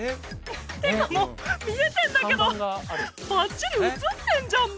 ってかもう見えてんだけどバッチリ映ってんじゃん